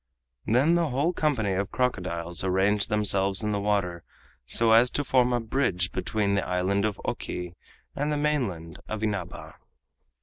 Then the whole company of crocodiles arranged themselves in the water so as to form a bridge between the Island of Oki and the mainland of Inaba.